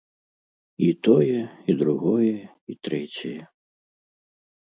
І тое, і другое, і трэцяе!